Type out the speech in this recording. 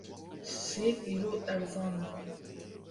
Sêv îro erzan in.